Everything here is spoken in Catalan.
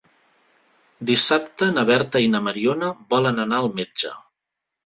Dissabte na Berta i na Mariona volen anar al metge.